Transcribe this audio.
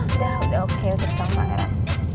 udah udah oke udah ketemu pangeran